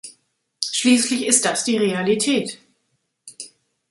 Schließlich ist das die Realität.